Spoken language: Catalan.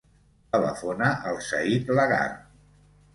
Telefona al Zaid Lagar.